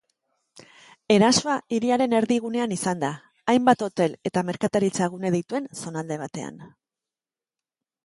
Erasoa hiriaren erdigunean izan da, hainbat hotel eta merkataritza-gune dituen zonalde batean.